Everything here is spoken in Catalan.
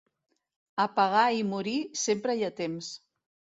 A pagar i morir sempre hi ha temps.